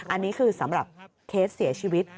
อันนี้คือสำหรับเคสเสียชีวิต